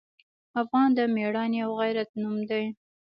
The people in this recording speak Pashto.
افغان د میړانې او غیرت نوم دی.